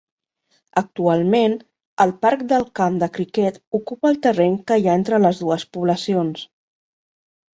Actualment, el parc del camp de criquet ocupa el terreny que hi ha entre les dues poblacions.